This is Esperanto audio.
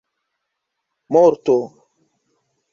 morto